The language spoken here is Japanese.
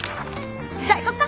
じゃあ行こうか。